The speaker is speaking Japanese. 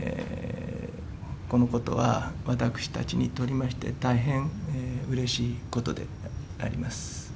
このことは、私たちにとりまして、大変うれしいことであります。